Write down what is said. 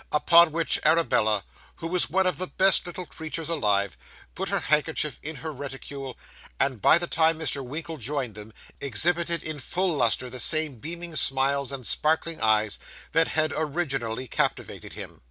Upon which, Arabella, who was one of the best little creatures alive, put her handkerchief in her reticule, and by the time Mr. Winkle joined them, exhibited in full lustre the same beaming smiles and sparkling eyes that had originally captivated him.